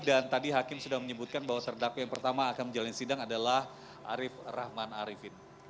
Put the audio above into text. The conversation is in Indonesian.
dan tadi hakim sudah menyebutkan bahwa terdakwa yang pertama akan menjalani sidang adalah arief rahman arifin